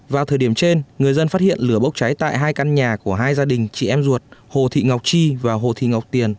vào thời điểm trên người dân phát hiện lửa bốc cháy tại hai căn nhà của hai gia đình chị em ruột hồ thị ngọc chi và hồ thị ngọc tiền